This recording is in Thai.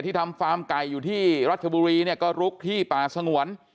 ทำฟาร์มไก่อยู่ที่รัชบุรีเนี่ยก็ลุกที่ป่าสงวน